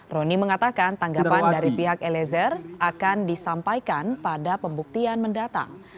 roni mengatakan tanggapan dari pihak eliezer akan disampaikan pada pembuktian mendatang